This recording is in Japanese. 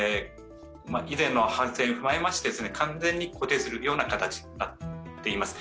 以前の反省を踏まえまして、完全に固定するような形になっています。